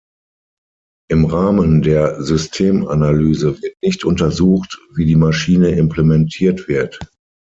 Im Rahmen der Systemanalyse wird nicht untersucht, wie die Maschine implementiert wird.